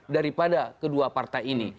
daripada kedua partai ini